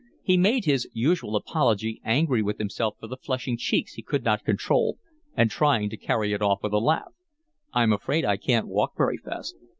He made his usual apology, angry with himself for the flushing cheeks he could not control, and trying to carry it off with a laugh. "I'm afraid I can't walk very fast."